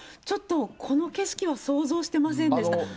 ちょっとこの景色は想像してませんでした。